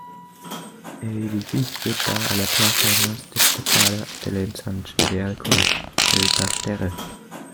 El edificio da a la plaza más destacada del ensanche de Alcoy, "el Parterre".